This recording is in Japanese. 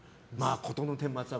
事の顛末は